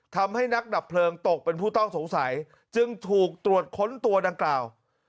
ทำให้นักดับเพลิงตกเป็นผู้ต้องสงสัยจึงถูกตรวจค้นตัวดังกล่าว